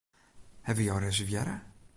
Hawwe jo reservearre?